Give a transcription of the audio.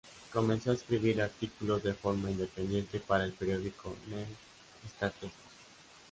Comenzó a escribir artículos de forma independiente para el periódico "New Statesman".